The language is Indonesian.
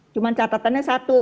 cuma catatannya satu